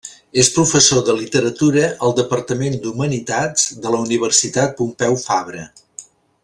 És professor de literatura al departament d’Humanitats de la Universitat Pompeu Fabra.